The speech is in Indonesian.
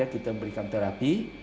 kita berikan terapi